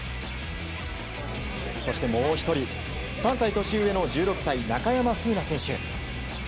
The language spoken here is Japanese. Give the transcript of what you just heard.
そしてもう１人３歳年上の１６歳、中山楓奈選手。